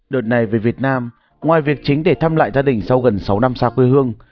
đợt này về việt nam ngoài việc chính để thăm lại gia đình sau gần sáu năm xa quê hương